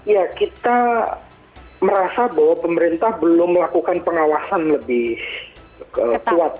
ya kita merasa bahwa pemerintah belum melakukan pengawasan lebih kuat